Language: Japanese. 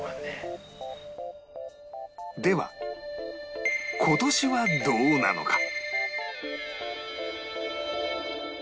では今年はどうなのか？